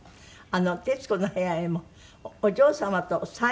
『徹子の部屋』へもお嬢様と３人で。